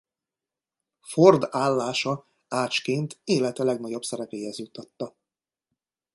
Ford állása ácsként élete legnagyobb szerepéhez juttatta.